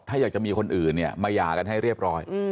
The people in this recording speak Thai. ถ้าอยากจะมีคนอื่นเนี่ยมาหย่ากันให้เรียบร้อย